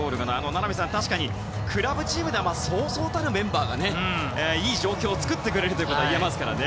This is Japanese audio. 名波さん、確かにクラブチームではそうそうたるメンバーがいい状況を作ってくれるといえますからね。